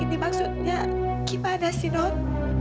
ini maksudnya gimana sih dok